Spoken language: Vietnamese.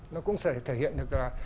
nó cũng sẽ thể hiện được là